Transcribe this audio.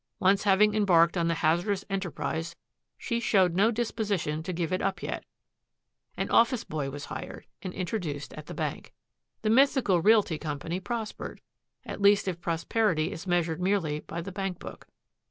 Once having embarked on the hazardous enterprise she showed no disposition to give it up yet An office boy was hired and introduced at the bank. The mythical realty company prospered, at least if prosperity is measured merely by the bank book.